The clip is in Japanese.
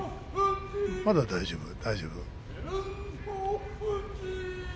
まだ大丈夫、大丈夫。